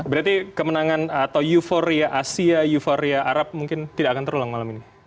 berarti kemenangan atau euforia asia euforia arab mungkin tidak akan terulang malam ini